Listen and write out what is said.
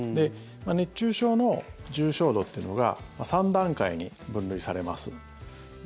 熱中症の重症度っていうのが３段階に分類されます。